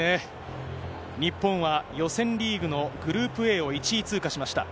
日本は予選リーグのグループＡを１位通過しました。